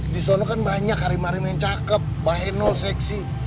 di sana kan banyak hari hari main cakep main noh seksi